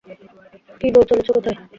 কী বউ, চলেছ কোথায়?